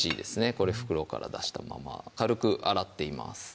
これ袋から出したまま軽く洗っています